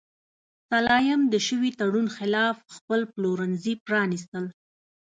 سلایم د شوي تړون خلاف خپل پلورنځي پرانیستل.